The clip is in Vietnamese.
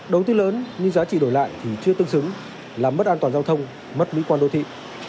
đầu tư lớn nhưng giá trị đổi lại thì chưa tương xứng làm mất an toàn giao thông mất mỹ quan đô thị